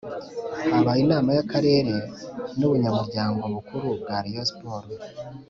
Habaye inama y Akarere n ubunyamabanga bukuru bwa rayon siporo